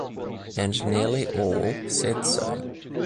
And nearly all said so.